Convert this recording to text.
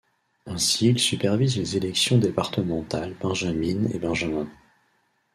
Ainsi il supervise les sélections départementales benjamines et benjamins.